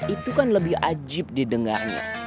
itu kan lebih ajib didengarnya